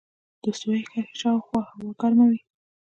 د استوایي کرښې شاوخوا هوا ګرمه وي.